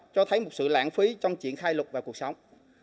cho thấy một sự lãng phí trong triển khai luật và cuộc sống